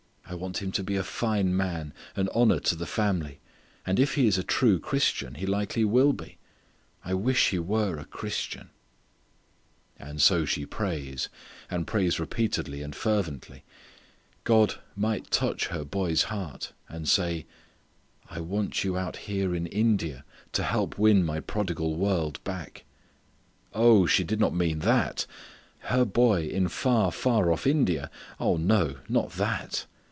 I want him to be a fine man, an honour to the family; and if he is a true Christian, he likely will be; I wish he were a Christian." And so she prays, and prays repeatedly and fervently. God might touch her boy's heart and say, "I want you out here in India to help win my prodigal world back." Oh! she did not mean that! Her boy in far, far off India! Oh, no! Not that!!